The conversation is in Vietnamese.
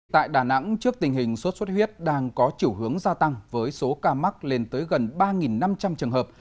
tại đà nẵng trước tình hình sốt xuất huyết đang có chiều hướng gia tăng với số ca mắc lên tới gần ba năm trăm linh trường hợp